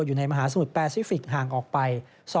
อยู่ในมหาสมุทรแปซิฟิกส์ห่างออกไป